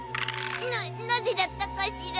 なっなぜだったかしら。